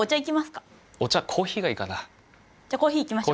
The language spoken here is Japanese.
じゃあコーヒー行きましょう。